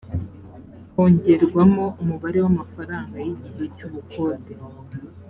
hongerwamo umubare w’amafaranga y’igihe cy’ubukode